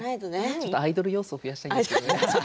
ちょっとアイドル要素増やしたりんですけどね。